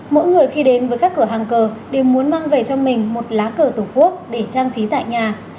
mỗi người khi đến với các cửa hàng cờ đều muốn mang về cho mình một lá cờ tổ quốc để trang trí tại nhà